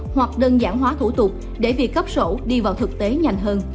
hoặc đơn giản hóa thủ tục để việc cấp sổ đi vào thực tế nhanh hơn